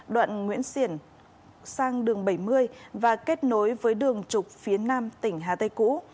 đoạn nguyễn xiển sang đường bảy mươi và kết nối với đường trục phía nam tỉnh hà tây cũ